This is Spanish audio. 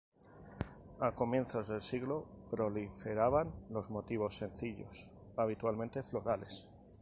A comienzos de siglo, proliferaban los motivos sencillos, habitualmente, florales.